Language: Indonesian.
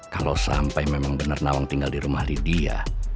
kalo sampai memang bener nawang tinggal di rumah lydia